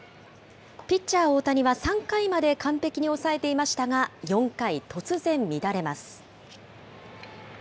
ピッチャー大谷は、３回まで完璧に抑えていましたが、４回、突然乱れます。